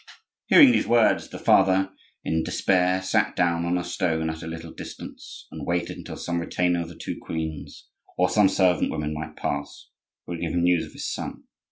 Hearing these words, the father, in despair, sat down on a stone at a little distance and waited until some retainer of the two queens or some servant woman might pass who would give him news of his son.